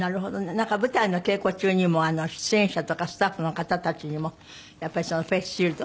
なんか舞台の稽古中にも出演者とかスタッフの方たちにもやっぱりそのフェースシールド？